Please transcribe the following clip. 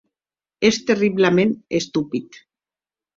Ès terriblaments estupid.